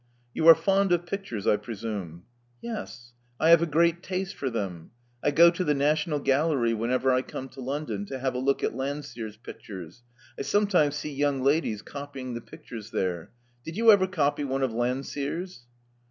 You are fond of pictures, I presume." Yes. I have a great taste for them. I go to the National Gallery whenever I come to London, to have a look at Landseer's pictures. I sometimes see young ladies copying the pictures there. Did you ever copy one of Landseer's?"